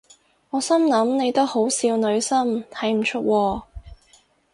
我心諗你都好少女心睇唔出喎